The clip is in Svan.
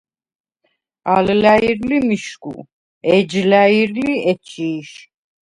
ალ ლა̈ირ ლი მიშგუ, ეჯ ლა̈ირ ლი ეჩი̄შ.